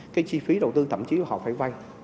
cái chi phí đầu tư thậm chí là họ phải vay